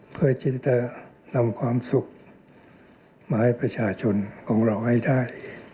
เพื่อที่จะนำความสุขมาให้ประชาชนของเราให้ได้